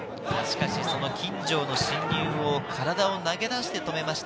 しかし、その金城の進入を体を投げ出して止めました。